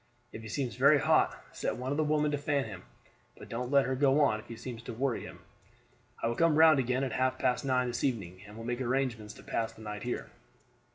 If he seems very hot set one of the women to fan him, but don't let her go on if it seems to worry him. I will come round again at half past nine this evening and will make arrangements to pass the night here.